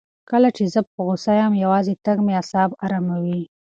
کله چې زه په غوسه یم، یوازې تګ مې اعصاب اراموي.